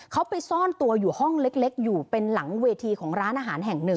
เขาไปซ่อนตัวอยู่ห้องเล็กอยู่เป็นหลังเวทีของร้านอาหารแห่งหนึ่ง